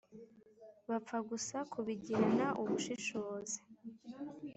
bapfa gusa kubigirana ubushishozi